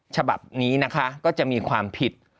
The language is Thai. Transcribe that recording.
ฉบับนี้นะคะก็จะมีความผิด